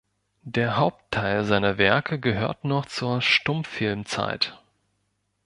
Der Hauptteil seiner Werke gehört noch zur Stummfilmzeit.